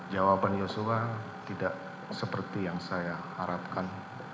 jawaban yosua tidak seperti yang saya harapkan